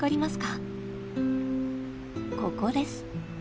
ここです。